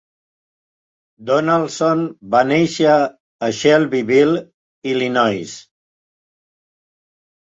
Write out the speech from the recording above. Donaldson va néixer a Shelbyville, Illinois.